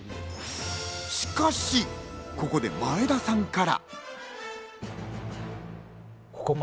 しかしここで前田さんから。